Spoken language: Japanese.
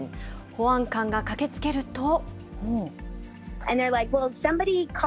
保安官が駆けつけると。